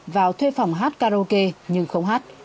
vào thuê phòng hát karaoke nhưng không hát